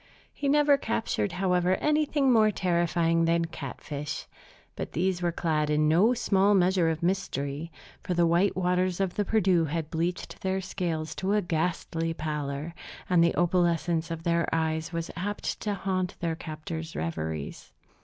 He never captured, however, anything more terrifying than catfish; but these were clad in no small measure of mystery, for the white waters of the Perdu had bleached their scales to a ghastly pallor, and the opalescence of their eyes was apt to haunt their captor's reveries.